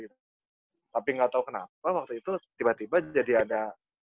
tapi nggak tahu kenapa waktu itu tiba tiba jadi ada